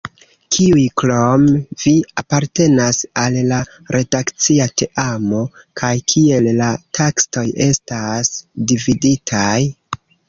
Kiuj krom vi apartenas al la redakcia teamo, kaj kiel la taskoj estas dividitaj?